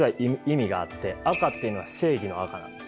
赤っていうのは正義の赤なんですよ。